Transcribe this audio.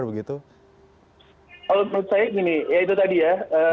menurut saya gini ya itu tadi ya